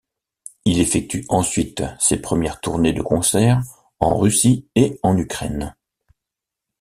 Il effectue ensuite ses premières tournées de concert en Russie et en Ukraine.